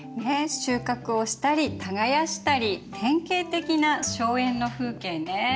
収穫をしたり耕したり典型的な荘園の風景ね。